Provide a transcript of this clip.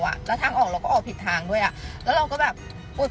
อ่ะแล้วทางออกเราก็ออกผิดทางด้วยอ่ะแล้วเราก็แบบอุด